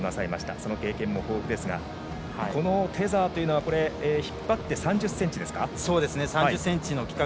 その経験も豊富ですがテザーというのは引っ張って３０ｃｍですか？